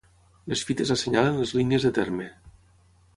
Les fites assenyalen les línies de terme.